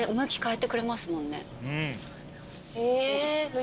え。